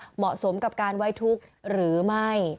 เหมาะสมกับการไว้ทุกข์หรือไม่